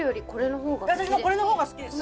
私もコレの方が好きです